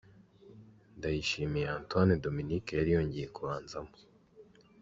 Ndayishimiye Antoine Dominique yari yongeye kubanzamo.